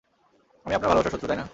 আমি আপনার ভালবাসার শত্রু, তাই না?